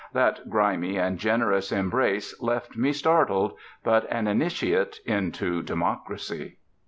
That grimy and generous embrace left me startled, but an initiate into Democracy.